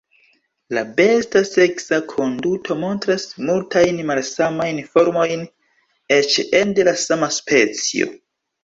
La besta seksa konduto montras multajn malsamajn formojn, eĉ ene de la sama specio.